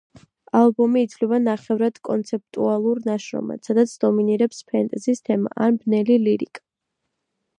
ალბომი ითვლება ნახევრად კონცეფტუალურ ნაშრომად, სადაც დომინირებს ფენტეზის თემა ან ბნელი ლირიკა.